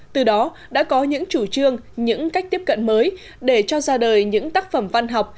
từ đó đã có những chủ trương những cách tiếp cận mới để cho ra đời những tác phẩm văn học